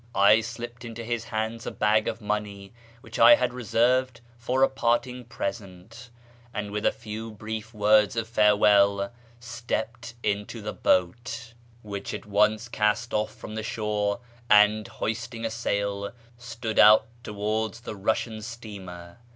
I slipped into his hands a bag of money which I had reserved for a parting present, and with a few brief words of farewell, stepped into the boat. 568 A YEAR AMONGST THE PERSIANS which at once cast oil' from the shore, and, hoisting a sail, stood out towards the Ivussian steamer.